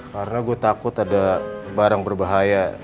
karena gue takut ada barang berbahaya